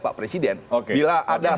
pak presiden bila ada